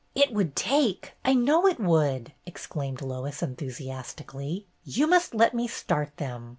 "It would take! I know it would!" ex claimed Lois, enthusiastically. "You must let me start them.